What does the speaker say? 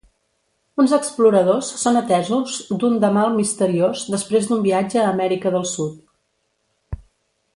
Uns exploradors són atesos d'un de mal misteriós després d'un viatge a Amèrica del Sud.